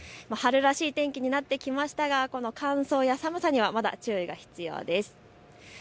春らしい天気になってきましたがこの乾燥や寒さにはまだ注意が必要です。